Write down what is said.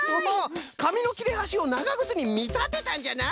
かみのきれはしをながぐつにみたてたんじゃなあ。